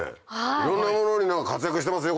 いろんなものに活躍してますよ